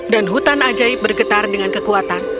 dan hutan ajaib bergetar dengan kekuatan